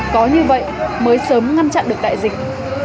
có như vậy mới sớm ngăn chặn được đại dịch